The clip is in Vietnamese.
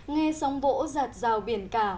nghe sóng vỗ giặt rào biển cả